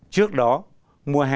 trước đó mùa hè